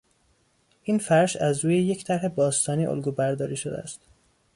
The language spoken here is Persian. این فرش از روی یک طرح باستانی الگو برداری شده است.